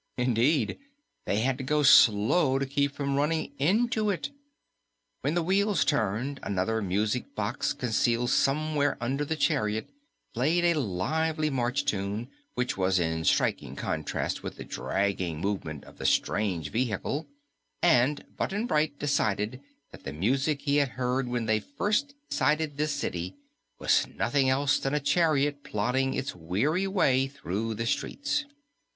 Indeed, they had to go slow to keep from running into it. When the wheels turned, another music box concealed somewhere under the chariot played a lively march tune which was in striking contrast with the dragging movement of the strange vehicle, and Button Bright decided that the music he had heard when they first sighted this city was nothing else than a chariot plodding its weary way through the streets.